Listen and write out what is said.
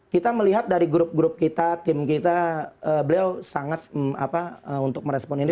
kita melihat dari grup grup kita tim kita beliau sangat untuk merespon ini